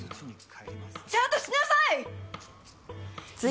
ちゃんとしなさい！